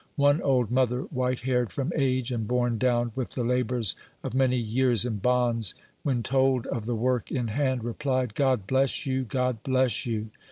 One old mother, white haired from age, and borne down wi'th the labors of many years in bonds, when told of the work in hand, replied :" God bleas you ! God bless you